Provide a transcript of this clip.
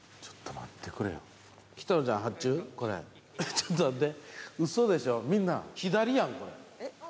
ちょっと待って。